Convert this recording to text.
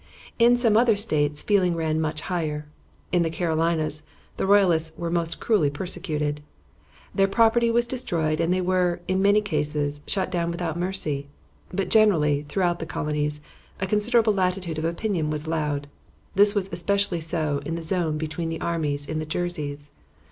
In some other States feeling ran much higher. In the Carolinas the royalists were most cruelly persecuted. Their property was destroyed and they were, in many cases, shot down without mercy; but generally, throughout the colonies, a considerable latitude of opinion was allowed. This was especially so in the zone between the armies in the Jerseys.